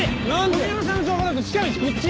小宮山さんの情報だと近道こっち！